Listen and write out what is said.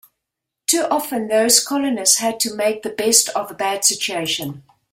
Too often, those colonists had to make the best of a bad situation.